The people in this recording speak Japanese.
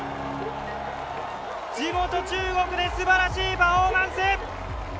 地元・中国ですばらしいパフォーマンス！